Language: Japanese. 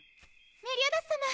メリオダス様